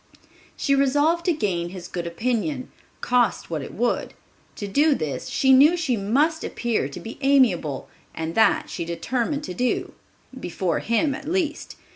She resolved to gain his good opinion, cost what it would. To do this, she knew she must appear to be amiable, and that she determined to do—before him at least.